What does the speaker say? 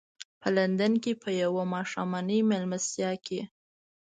په لندن کې په یوه ماښامنۍ مېلمستیا کې.